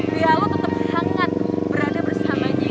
biar lo tetep hangat berada bersamanya